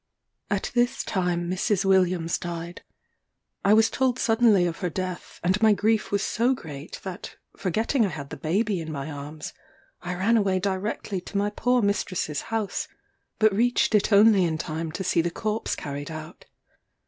At this time Mrs. Williams died. I was told suddenly of her death, and my grief was so great that, forgetting I had the baby in my arms, I ran away directly to my poor mistress's house; but reached it only in time to see the corpse carried out.